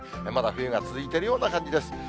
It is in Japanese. まだ冬が続いているような感じです。